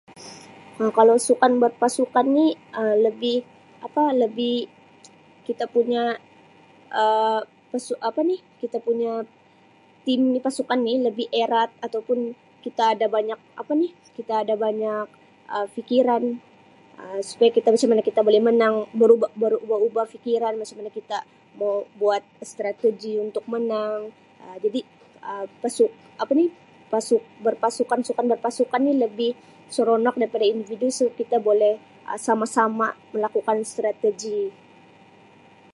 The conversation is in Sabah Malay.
Um Kalau sukan berpasukan ni Um lebih apa lebih kita punya Um pasuk apa ni Um kita punya team pasukan ni lebih erat ataupun kita ada banyak apa ni kita ada banyak Um fikiran Um supaya kita macam mana kita boleh menang beru-berubah-ubah fikiran macam mana kita mau buat strategi untuk menang Um jadi Um pasuk apa ni pasuk berpasukan sukan berpasukan ni lebih seronok daripada individu sebab kita boleh Um sama-sama melakukan strategi.